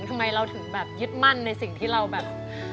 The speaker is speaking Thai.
ทำไมเราถึงแบบยึดมั่นในสิ่งที่เราแบบ